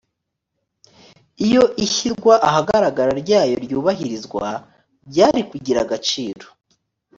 iyo ishyirwa ahagaragara ryayo ryubahirizwa byari kugira agaciro